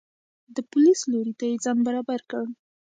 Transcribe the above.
د پولیس لوري ته یې ځان برابر کړ.